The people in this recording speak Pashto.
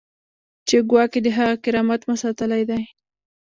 چې ګواکې د هغه کرامت مو ساتلی دی.